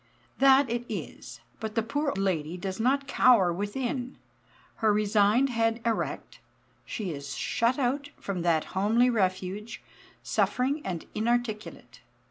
This it is; but the poor lady does not cower within; her resigned head erect, she is shut out from that homely refuge, suffering and inarticulate.